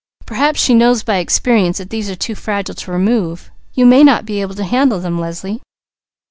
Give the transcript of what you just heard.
"Perhaps she knows by experience that these are too fragile to remove. You may not be able to handle them, Leslie."